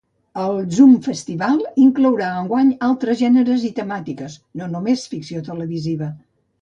El Zoom Festival inclourà enguany altres gèneres i temàtiques, no només ficció televisiva.